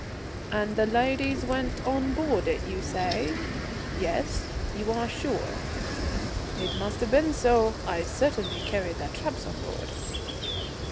"And the ladies went on board it, you say? Yes? You are sure?" "It must have been so; I certainly carried their traps on board."